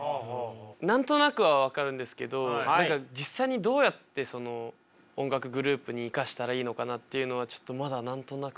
何となくは分かるんですけど実際にどうやってその音楽グループに生かしたらいいのかなっていうのはちょっとまだ何となく。